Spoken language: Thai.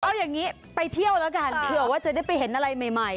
เอาอย่างนี้ไปเที่ยวแล้วกันเผื่อว่าจะได้ไปเห็นอะไรใหม่